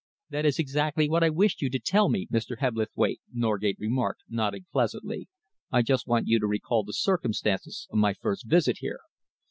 "That is exactly what I wished you to tell Mr. Hebblethwaite," Norgate remarked, nodding pleasantly. "I just want you to recall the circumstances of my first visit here."